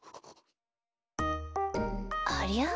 ありゃ？